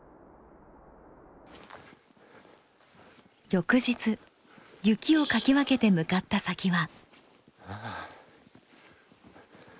翌日雪をかき分けて向かった先は。